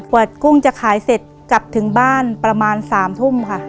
กว่ากุ้งจะขายเสร็จกลับถึงบ้านประมาณ๓ทุ่มค่ะ